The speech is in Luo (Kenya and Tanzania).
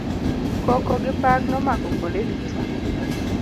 Koko gi pak nomako kuonde duto.